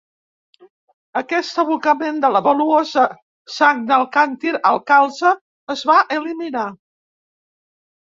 Aquest abocament de la valuosa sang del càntir al calze es va eliminar.